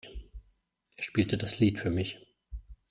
Er spielte das Lied für mich.